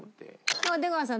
でも出川さん